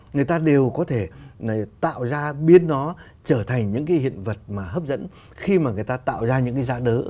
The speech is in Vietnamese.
người ta đều có thể tạo ra biến nó trở thành những cái hiện vật mà hấp dẫn khi mà người ta tạo ra những cái giá đỡ